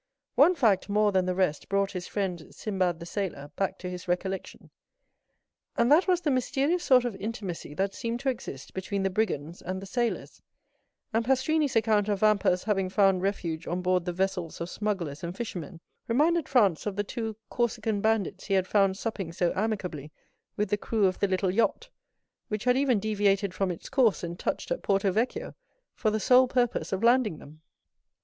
One fact more than the rest brought his friend "Sinbad the Sailor" back to his recollection, and that was the mysterious sort of intimacy that seemed to exist between the brigands and the sailors; and Pastrini's account of Vampa's having found refuge on board the vessels of smugglers and fishermen, reminded Franz of the two Corsican bandits he had found supping so amicably with the crew of the little yacht, which had even deviated from its course and touched at Porto Vecchio for the sole purpose of landing them.